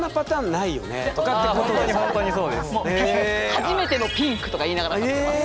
「はじめてのピンク！」とか言いながら買ってます。